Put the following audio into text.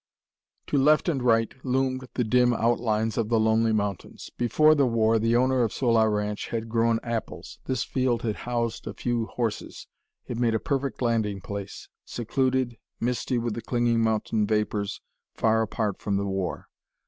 To left and right loomed the dim outlines of the lonely mountains. Before the war, the owner of Sola Ranch had grown apples; this field had housed a few horses. It made a perfect meeting place secluded, misty with the clinging mountain vapors, far apart from the war.